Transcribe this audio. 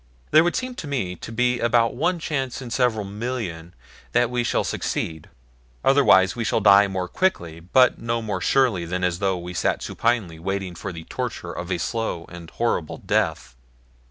There would seem to me to be about one chance in several million that we shall succeed otherwise we shall die more quickly but no more surely than as though we sat supinely waiting for the torture of a slow and horrible death."